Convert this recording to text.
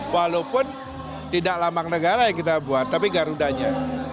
walaupun tidak lambang negara yang kita buat tapi garudanya